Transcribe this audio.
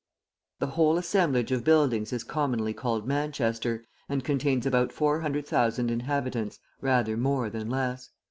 The whole assemblage of buildings is commonly called Manchester, and contains about four hundred thousand inhabitants, rather more than less.